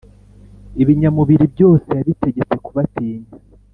Ibinyamubiri byose yabitegetse kubatinya,